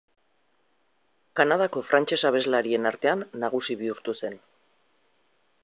Kanadako frantses abeslarien artean nagusi bihurtu zen.